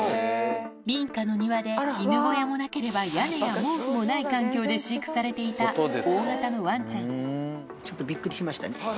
民家の庭で、犬小屋もなければ屋根や毛布もない環境で飼育されていた大型のワちょっとびっくりしましたね。